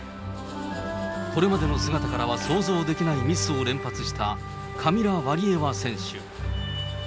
これまでの姿からは想像できないミスを連発した、カミラ・ワリエワ選手。